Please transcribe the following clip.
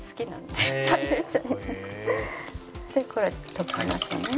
でこれ溶きますね。